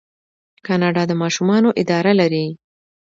کاناډا د ماشومانو اداره لري.